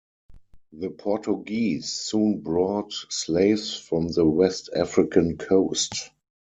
The Portuguese soon brought slaves from the West African coast.